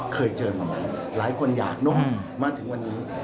เคยเจอมาไหมหลายคนอยากนะ